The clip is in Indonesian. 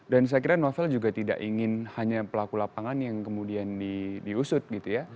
dan saya kira novel juga tidak ingin hanya pelaku lapangan yang kemudian diusut gitu ya